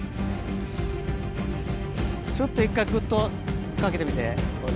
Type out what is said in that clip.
ちょっと１回ぐっとかけてみて。